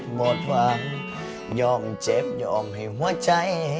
หมดหวังยอมเจ็บยอมให้หัวใจ